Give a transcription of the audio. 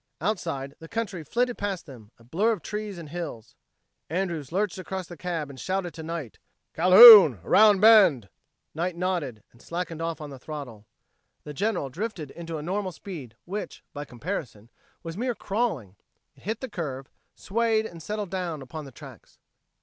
Outside, the country flitted past them, a blur of trees and hills. Andrews lurched across the cab and shouted to Knight: "Calhoun around bend!" Knight nodded and slackened off on the throttle. The General drifted into a normal speed which, by comparison, was mere crawling; it hit the curve, swayed and settled down upon the tracks.